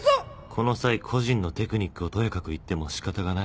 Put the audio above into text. この際個人のテクニックをとやかく言ってもしかたがない。